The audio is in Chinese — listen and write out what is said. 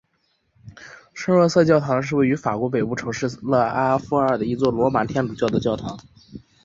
圣若瑟教堂是位于法国北部城市勒阿弗尔的一座罗马天主教的教堂。